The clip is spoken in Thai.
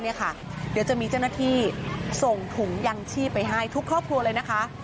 เดี๋ยวจะมีเจ้าหน้าที่ส่งถุงยังชีพไปให้ทุกครอบครัวเลยนะคะ